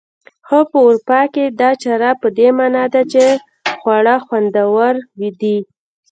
خو په اروپا کې دا چاره په دې مانا ده چې خواړه خوندور دي.